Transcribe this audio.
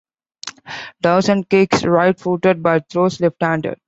Dawson kicks right-footed but throws left-handed.